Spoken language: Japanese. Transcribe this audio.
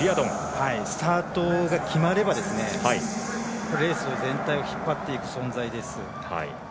スタートが決まればレース全体を引っ張っていく存在です。